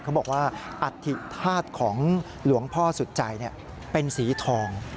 เขาบอกว่าอธิธาตุของหลวงพ่อสุดใจเป็นสีทอง